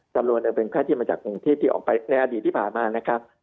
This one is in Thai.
ตำรวจเป็นไข้ที่มาจากกรุงเทพที่ออกไปในอดีตที่ผ่านมานะครับ